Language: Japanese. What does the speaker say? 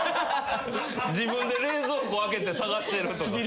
自分で冷蔵庫開けて探してるとか。